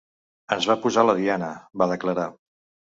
Ens va posar la diana, va declarar.